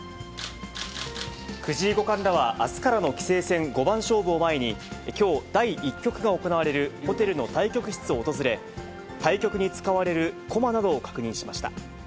藤井五冠らはあすからの棋聖戦五番勝負を前に、きょう、第１局が行われる、ホテルの対局室を訪れ、対局に使われる駒などを確認しました。